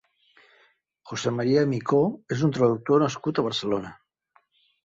José María Micó és un traductor nascut a Barcelona.